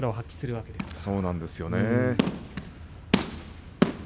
そうなんですよね。